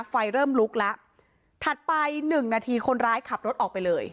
ไฟเริ่มลุกแล้วถัดไปหนึ่งนาทีคนร้ายขับรถออกไปเลย